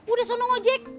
udah sunung ojek